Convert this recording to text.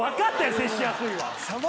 接しやすいは！